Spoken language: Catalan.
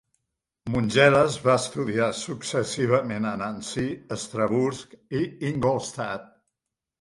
Montgelas va estudiar successivament a Nancy, Estrasburg i Ingolstadt.